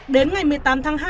đến ngày một mươi tám tháng hai